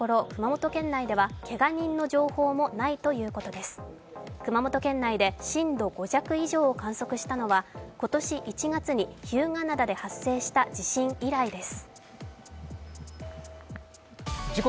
隈家と県内で震度５弱以上を観測したのは今年１月に日向灘で発生した地震以来です。